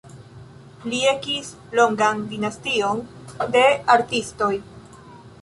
Li ekis longan dinastion de artistoj.